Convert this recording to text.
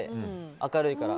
明るいから。